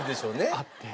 あって。